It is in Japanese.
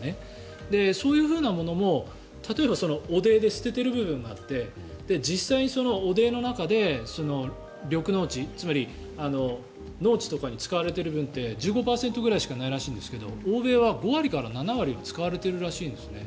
そういうものも汚泥で捨てている部分があって実際に汚泥の中で緑農地、つまり農地とかに使われている分って１５％ぐらいしかないらしいんですが欧米は５割から７割使われているらしいんです。